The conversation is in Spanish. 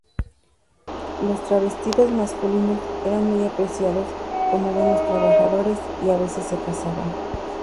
Los travestidos masculinos eran muy apreciados como buenos trabajadores, y a veces se casaban.